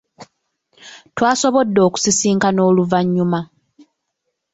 Twasobodde okusisinkana oluvannyuma.